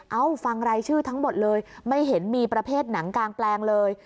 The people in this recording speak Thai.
ฟังรายชื่อทั้งหมดเลยไม่เห็นมีประเภทหนังกางแปลงเลย